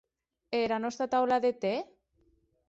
E era nòsta taula de tè?